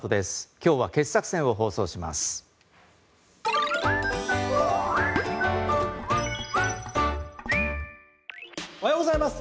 今日は傑作選を放送します。